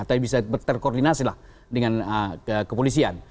tapi bisa berkoordinasilah dengan kepolisian